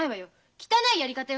汚いやり方よ